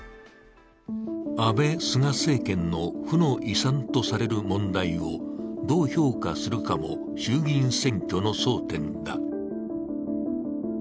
安倍・菅政権の負の遺産とされる問題をどう評価するかも衆議院選挙の争点だ。